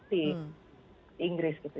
di inggris gitu